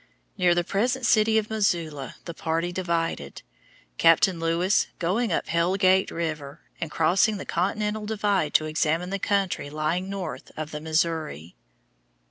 Near the present city of Missoula the party divided, Captain Lewis going up Hell Gate River and crossing the continental divide to examine the country lying north of the Missouri.